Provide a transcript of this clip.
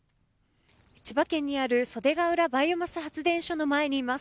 千葉県にある袖ケ浦バイオマス発電所の前にいます。